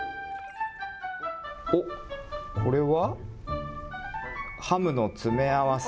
おっ、これは？